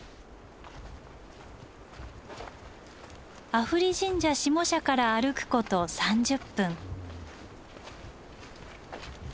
阿夫利神社下社から歩くこと３０分。